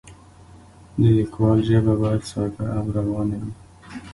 د لیکوال ژبه باید ساده او روانه وي.